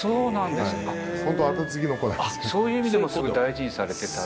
そういう意味でもすごく大事にされてたって。